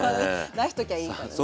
出しときゃいいからね。